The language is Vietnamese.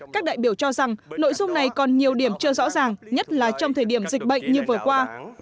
các đại biểu cho rằng nội dung này còn nhiều điểm chưa rõ ràng nhất là trong thời điểm dịch bệnh như vừa qua